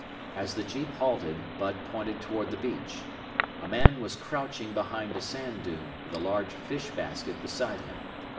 As the jeep halted, Bud pointed toward the beach. A man was crouching behind a sand dune, with a large fish basket beside him.